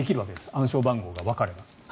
暗証番号がわかれば。